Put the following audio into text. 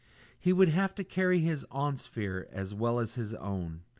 He would have to carry his aunt's fear as well as his own.